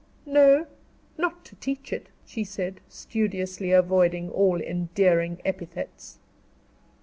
"No not to teach it," she said, studiously avoiding all endearing epithets.